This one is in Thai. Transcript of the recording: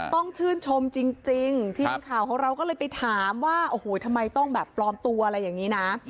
ต้องชื่นชมจริงทีมข่าวของเราก็เลยไปถามว่าโอ้โหทำไมต้องแบบปลอมตัวอะไรอย่างนี้นะ